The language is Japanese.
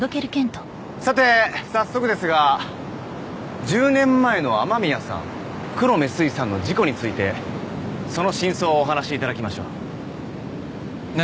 さて早速ですが１０年前の雨宮さん黒目すいさんの事故についてその真相をお話しいただきましょう何？